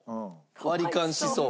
割り勘しそう。